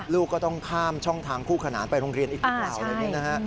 ลูกก็ต้องข้ามช่องทางคู่ขนานไปโรงเรียนอีกกี่คราวเลยนะฮะ